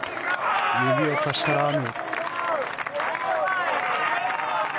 指をさしたラーム。